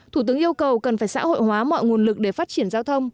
thủ tướng yêu cầu cần phải xã hội hóa mọi nguồn lực để phát triển giao thông